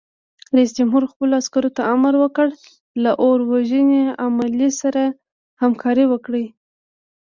رئیس جمهور خپلو عسکرو ته امر وکړ؛ له اور وژنې عملې سره همکاري وکړئ!